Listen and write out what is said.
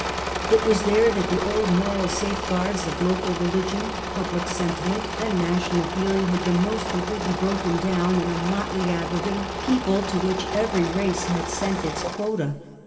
It was there that the old moral safeguards of local religion, public sentiment, and national feeling had been most completely broken down in a motley aggregate of people to which every race had sent its quota.